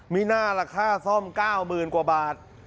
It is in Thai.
มีหน้าราคาซ่อม๙๐๐๐๐กว่าบาท